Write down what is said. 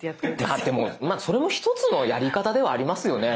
ああでもまあそれも１つのやり方ではありますよね。